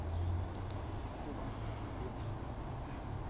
Giovanni de Luna